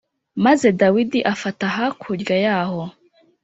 Maze Dawidi afata hakurya yaho